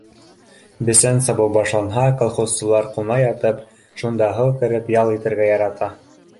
Бесән сабыу башланһа, колхозсылар, ҡуна ятып, шунда һыу кереп, ял итергә ярата